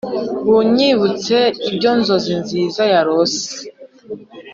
Bunyibutse ibyi nzozi nziza narose